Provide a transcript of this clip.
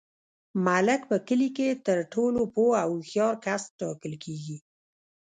ملک په کلي کي تر ټولو پوه او هوښیار کس ټاکل کیږي.